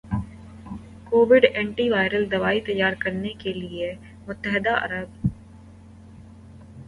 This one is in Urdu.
کوویڈ اینٹی ویرل دوائی تیار کرنے میں مدد کے لئے متحدہ عرب